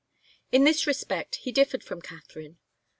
In this respect he differed from Katharine.